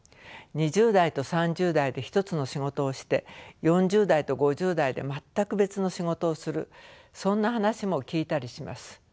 ２０代と３０代で一つの仕事をして４０代と５０代で全く別の仕事をするそんな話も聞いたりします。